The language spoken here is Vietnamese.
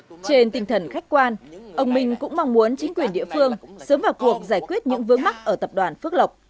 trên tinh thần khách quan ông minh cũng mong muốn chính quyền địa phương sớm vào cuộc giải quyết những vướng mắt ở tập đoàn phước lộc